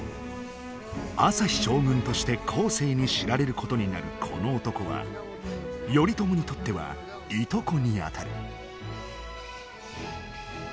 旭将軍として後世に知られることになるこの男は頼朝にとってはいとこにあたる。